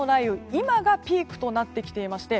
今がピークとなってきていまして